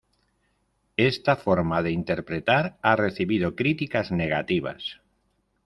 Esta forma de interpretar ha recibido críticas negativas.